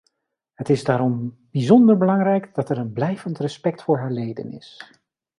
Het is daarom bijzonder belangrijk, dat er een blijvend respect voor haar leden is.